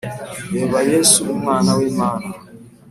reba yesu umwana w'imana